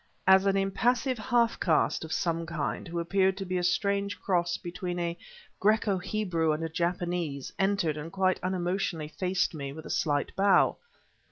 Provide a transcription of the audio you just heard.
as an impassive half caste of some kind who appeared to be a strange cross between a Graeco Hebrew and a Japanese, entered and quite unemotionally faced me, with a slight bow.